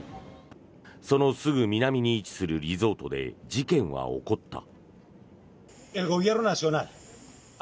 そのすぐ南に位置するリゾートで事件は起こった。